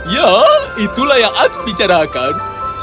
ya itulah yang aku bicarakan